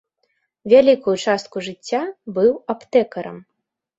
Вялікую частку жыцця быў аптэкарам.